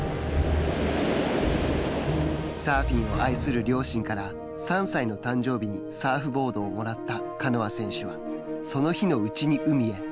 サーフィンを愛する両親から３歳の誕生日にサーフボードをもらったカノア選手はその日のうちに海へ。